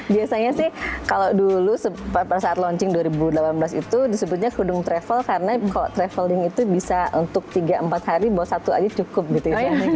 biasanya sih kalau dulu pada saat launching dua ribu delapan belas itu disebutnya kerudung travel karena kalau traveling itu bisa untuk tiga empat hari buat satu aja cukup gitu ya